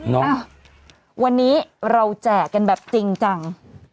อ้าววันนี้เราแจกกันแบบจริงจัง